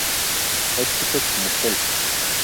Éxitos como Help!